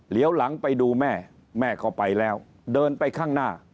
เดี๋ยวหลังไปดูแม่แม่ก็ไปแล้วเดินไปข้างหน้า